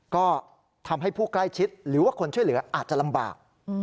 ก็ทำให้ผู้ใกล้ชิดหรือว่าคนช่วยเหลืออาจจะลำบาก